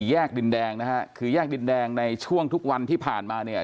แยกดินแดงนะฮะคือแยกดินแดงในช่วงทุกวันที่ผ่านมาเนี่ย